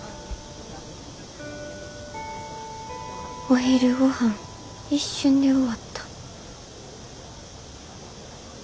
お昼ごはん一瞬で終わった。